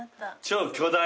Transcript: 超巨大。